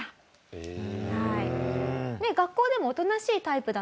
へえ。